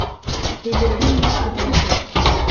Һөйҙөргән дә ҡыҙыл тел